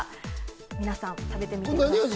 皆さん食べてみてください。